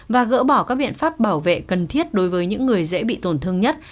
và gỡ bỏ các biện pháp bảo vệ cần thiết đối với những người dễ bị tổn thương nhất